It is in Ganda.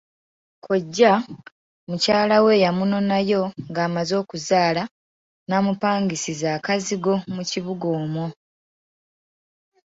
Kkojja, mukyala we yamunonayo ng'amaze okuzaala n'amupangisiza akazigo mu kibuga omwo.